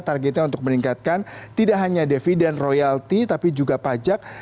targetnya untuk meningkatkan tidak hanya dividen royalti tapi juga pajak